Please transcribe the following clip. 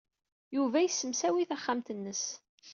Yuba yessemsawi taxxamt-nnes.